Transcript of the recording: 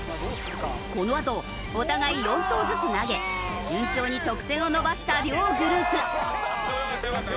このあとお互い４投ずつ投げ順調に得点を伸ばした両グループ。